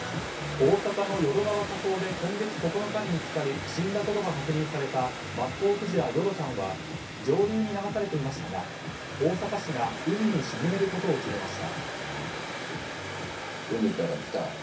大阪の淀川河口で今月９日に見つかり死んだことが確認されたマッコウクジラ、淀ちゃんは上流に流されていましたが大阪市が海に沈めることを決めました。